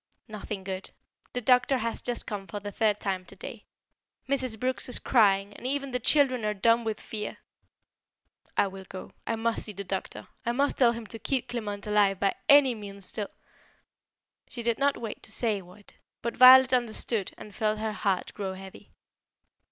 "Nothing good. The doctor has just come for the third time today. Mrs. Brooks is crying and even the children are dumb with fear." "I will go. I must see the doctor. I must tell him to keep Clement alive by any means till " She did not wait to say what; but Violet understood and felt her heart grow heavy.